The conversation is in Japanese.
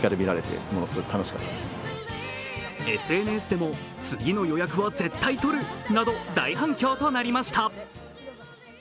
ＳＮＳでも、次の予約は絶対取るなど大反響となりました。